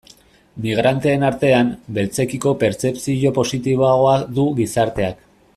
Migranteen artean, beltzekiko pertzepzio positiboagoa du gizarteak.